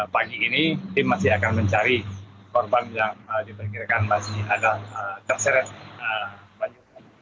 pagi ini tim masih akan mencari korban yang diperkirakan masih ada terseret banjir